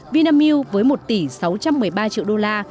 vinamilk với một tỷ sáu trăm một mươi ba triệu đô la